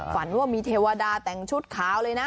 ฝันว่ามีเทวดาแต่งชุดขาวเลยนะ